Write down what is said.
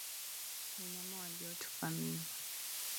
Wanyama waliotupa mimba